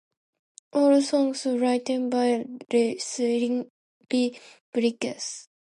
All songs written by Leslie Bricusse.